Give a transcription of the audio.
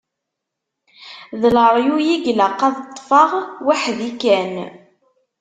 D leryuy i ilaq ad ṭṭfeɣ weḥd-i kan.